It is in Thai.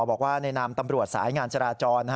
บอกว่าในนามตำรวจสายงานจราจร